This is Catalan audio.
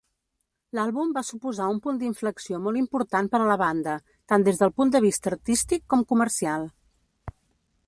L'àlbum va suposar un punt d'inflexió molt important per a la banda, tant des del punt de vista artístic com comercial.